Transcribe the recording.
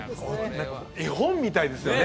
何かもう絵本みたいですよね